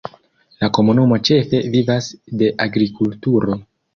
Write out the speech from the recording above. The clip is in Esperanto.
La komunumo ĉefe vivas de agrikulturo.